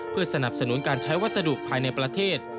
เพื่อสนับสนุนการใช้วัสดุภายในประเทศ